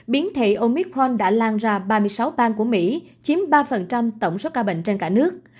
biến thể omicron đã lan ra ba mươi sáu bang của mỹ chiếm ba tổng số ca bệnh trên cả nước